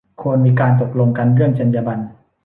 ควรมีการตกลงกันเรื่องจรรยาบรรณ